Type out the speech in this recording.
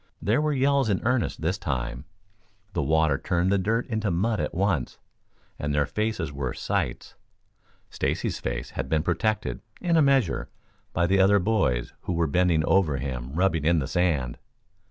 There were yells in earnest this time. The water turned the dirt into mud at once, and their faces were "sights." Stacy's face had been protected, in a measure, by the other boys who were bending over him rubbing in the sand.